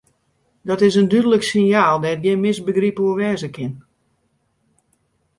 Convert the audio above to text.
Dat is in dúdlik sinjaal dêr't gjin misbegryp oer wêze kin.